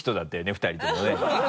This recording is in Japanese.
２人ともね。